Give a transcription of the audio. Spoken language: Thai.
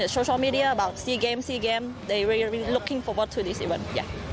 ถ้าคนมีสิ่งที่ดีทุกคนก็ดีกว่า